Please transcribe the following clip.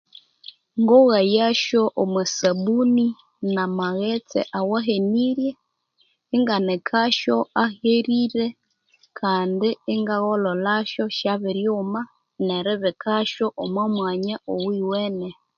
Ngoghayasyo omwa sabuni namaghetse awahenirye inganika syo aherire kandi ingagholholhasyo syabiryuma neribikasyo omwa mwanya owiwene.